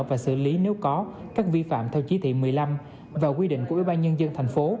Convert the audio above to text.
và xử lý nếu có các vi phạm theo chí thị một mươi năm và quy định của ybnd tp